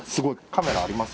カメラあります